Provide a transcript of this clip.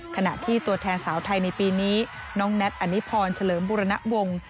ขณะที่ตัวแทนสาวไทยในปีนี้น้องแน็ตอนิพรเฉลิมบุรณวงศ์